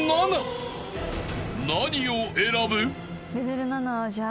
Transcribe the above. ［何を選ぶ？］